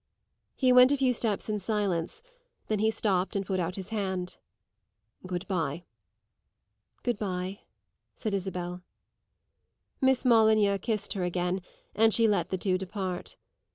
He went a few steps in silence; then he stopped and put out his hand. "Good bye." "Good bye," said Isabel. Miss Molyneux kissed her again, and she let the two depart.